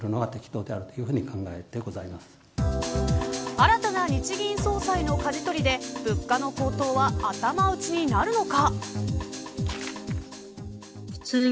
新たな日銀総裁のかじ取りで物価の高騰は頭打ちになるのか。